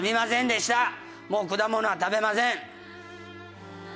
もう果物は食べません。